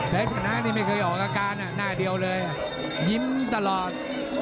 และชนะนี่ไม่เคยออกอาการหน้าเดียวเลยยิ้มตลอด